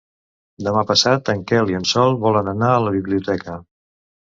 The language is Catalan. Demà passat en Quel i en Sol volen anar a la biblioteca.